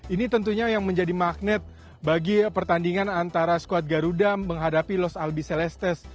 ini tentunya yang menjadi magnet bagi pertandingan antara squad garuda menghadapi los albicelestes